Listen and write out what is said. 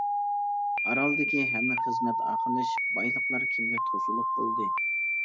ئارالدىكى ھەممە خىزمەت ئاخىرلىشىپ بايلىقلار كېمىگە توشۇلۇپ بولدى.